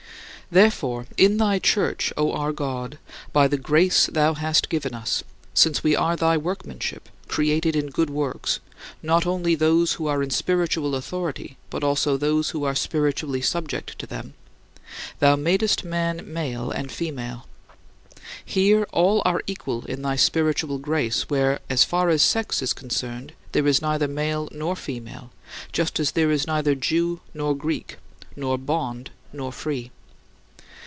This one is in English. Therefore in thy Church, O our God, by the grace thou hast given us since we are thy workmanship, created in good works (not only those who are in spiritual authority but also those who are spiritually subject to them) thou madest man male and female. Here all are equal in thy spiritual grace where, as far as sex is concerned, there is neither male nor female, just as there is neither Jew nor Greek, nor bond nor free.